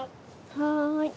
はい。